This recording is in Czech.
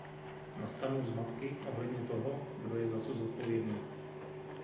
Nastanou zmatky ohledně toho, kdo je za co zodpovědný.